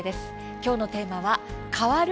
きょうのテーマは「変わる！？